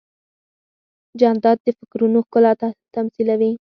جانداد د فکرونو ښکلا تمثیلوي.